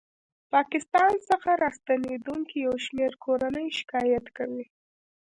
ه پاکستان څخه راستنېدونکې یو شمېر کورنۍ شکایت کوي